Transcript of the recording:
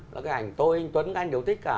là cái ảnh tôi anh tuấn các anh đều thích à